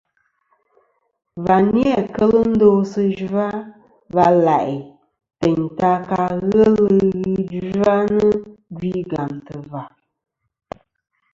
Và ni-a kel ndo sɨ zhwa va la'i teyn ta ka ghelɨ ghɨ zhwanɨ gvi gàmtɨ̀ và.